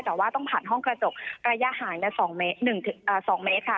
แต่ว่าต้องผ่านห้องกระจกระยะห่าง๒เมตรค่ะ